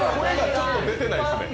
ちょっと出てないですね。